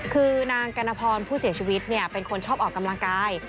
คือนางกัณพรผู้เสียชีวิตเป็นคนชอบออกกำลังกาย